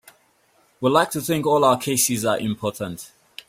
We like to think all our cases are important.